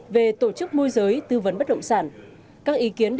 về tổ chức môi giới tư vấn bất động sản